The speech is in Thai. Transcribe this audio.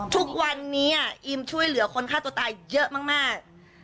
ทุกวันนี้อิมช่วยเหลือคนฆ่าตัวตายเยอะมาก